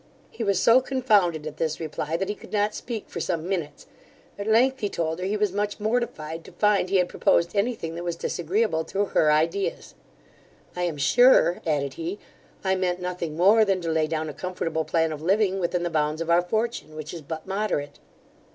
He was so confounded at this reply, that he could not speak for some minutes: at length he told her, he was much mortified to find he had proposed anything that was disagreeable to her ideas 'I am sure (added he) I meant nothing more than to lay down a comfortable plan of living within the bounds of our fortune, which is but moderate.